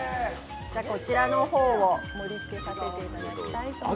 こちらの方を盛りつけさせていただきたいと思います。